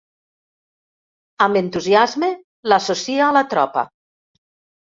Amb entusiasme l'associa a la tropa.